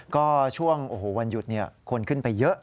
ก็ช่วงวันหยุดคนขึ้นไปเยอะ